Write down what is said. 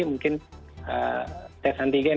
mungkin tes antigen